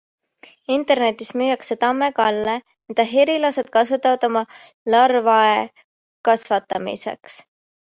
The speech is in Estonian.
Internetis müüakse tamme galle, mida herilased kasutavad oma larvae kasvatamiseks.